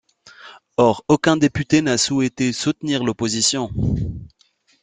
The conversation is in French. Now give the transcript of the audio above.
Or aucun député n'a souhaité soutenir l'opposition.